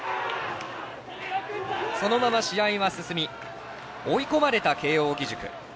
そのまま試合は進み追い込まれた慶応義塾。